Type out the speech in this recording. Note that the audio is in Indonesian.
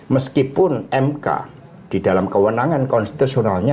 meskipun mk di dalam kewenangan konstitusionalnya